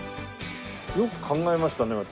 よく考えましたね